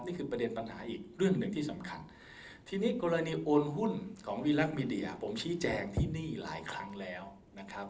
นี่คือประเด็นปัญหาอีกเรื่องหนึ่งที่สำคัญทีนี้กรณีโอนหุ้นของวีรักมีเดียผมชี้แจงที่นี่หลายครั้งแล้วนะครับ